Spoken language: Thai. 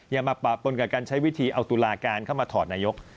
อย่ามาปะปนกับการใช้วิธีเอาตุลาการเข้ามาถอดนายก